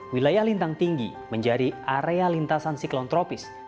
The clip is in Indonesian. wilayah lintang tinggi menjadi area lintasan siklon tropis